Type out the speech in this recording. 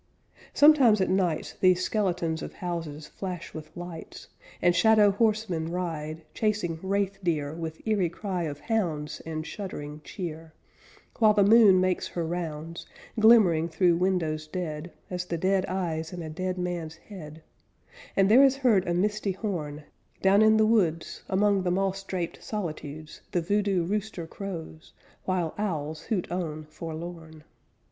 Sometimes at nights These skeletons of houses flash with lights, And shadow horsemen ride, Chasing wraith deer With eery cry of hounds And shuddering cheer; While the moon makes her rounds, Glimmering through windows dead As the dead eyes in a dead man's head; And there is heard a misty horn Down in the woods, Among the moss draped solitudes, The voodoo rooster crows, While owls hoot on forlorn.